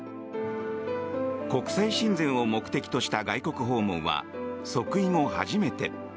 国際親善を目的とした外国訪問は即位後初めて。